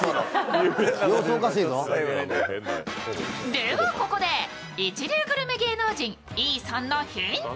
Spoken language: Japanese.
ではここで、一流グルメ芸能人・Ｅさんのヒント。